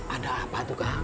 ada apa tuh kang